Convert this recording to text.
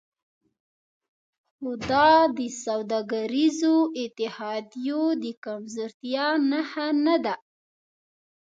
خو دا د سوداګریزو اتحادیو د کمزورتیا نښه نه ده